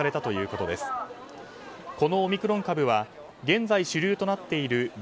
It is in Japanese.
このオミクロン株は現在、主流となっているＢＡ．